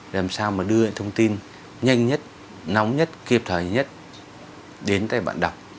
làm sao mà đưa thông tin nhanh nhất nóng nhất kịp thời nhất đến tại bạn đọc